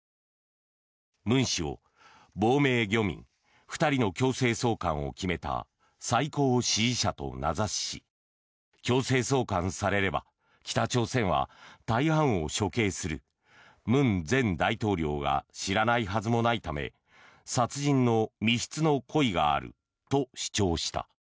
文氏を亡命漁民２人の強制送還を決めた最高指示者と名指しし強制送還されれば北朝鮮は大半を処刑する文前大統領が知らないはずもないため殺人の未必の故意があると主張した。